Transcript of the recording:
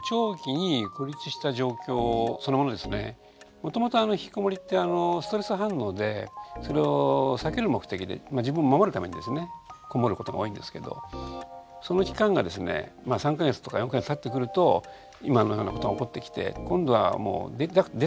もともとひきこもりってストレス反応でそれを避ける目的で自分を守るためにですねこもることが多いんですけどその期間がですね３か月とか４か月たってくると今のようなことが起こってきて今度は出たくても出れないと。